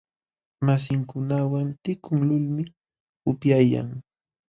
Masinkunawan tinkuqlulmi upyayan.